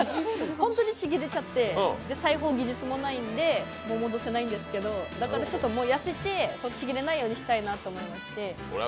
本当にちぎれちゃって、裁縫技術もないのでもう戻せないんですけどだから痩せて、ちぎれないようにしたいなと思いまして。